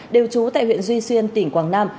đều trú tại huyện duy xuyên tỉnh quảng nam